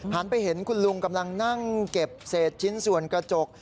ไปเห็นคุณลุงกำลังนั่งเก็บเศษชิ้นส่วนกระจก